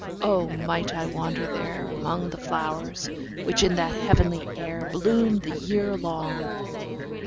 O might I wander there, Among the flowers, which in that heavenly air 5 Bloom the year long!